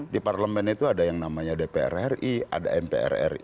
di parlemen itu ada yang namanya dprri ada nprri